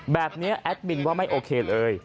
แบบนี้แอดมินว่าไม่โอเคเลย